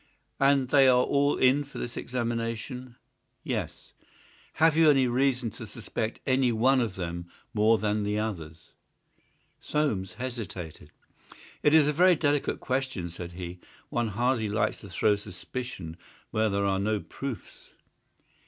"And they are all in for this examination?" "Yes." "Have you any reason to suspect any one of them more than the others?" Soames hesitated. "It is a very delicate question," said he. "One hardly likes to throw suspicion where there are no proofs."